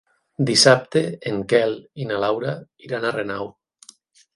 Dissabte en Quel i na Laura iran a Renau.